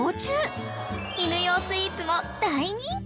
［犬用スイーツも大人気］